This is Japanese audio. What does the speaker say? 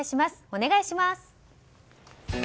お願いします。